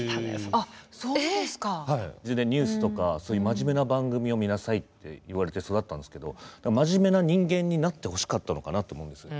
それで、ニュースとかそういう真面目な番組を見なさいって言われて育ったんですけど真面目な人間になってほしかったのかなって思うんですよ。